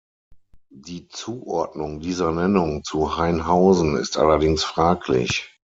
Die Zuordnung dieser Nennung zu Hainhausen ist allerdings fraglich.